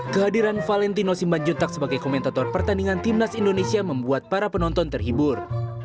kehadiran valentino simanjuntak sebagai komentator pertandingan timnas indonesia membuat para penonton terhibur